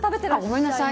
ごめんなさい。